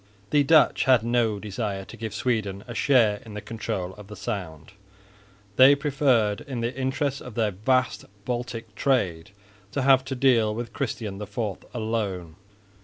The Dutch had no desire to give Sweden a share in the control of the Sound; they preferred in the interests of their vast Baltic trade to have to deal with Christian IV alone.